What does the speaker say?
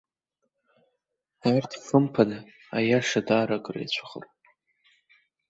Арҭ, хымԥада, аиаша даара акыр иацәыхароуп.